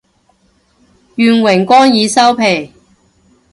願榮光已收皮